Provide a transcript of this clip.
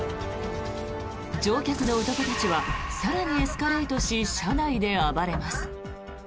乗客の男たちは更にエスカレートし車内で暴れます。